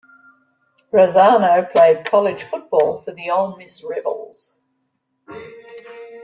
Razzano played college football for the Ole Miss Rebels.